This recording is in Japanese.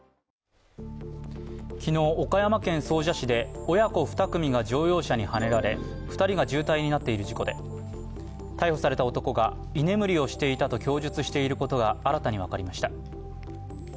昨日、岡山県総社市で親子２組が乗用車にはねられ２人が重体になっている事故で、逮捕された男が居眠りをしていたと供述していることが新たに分かりました。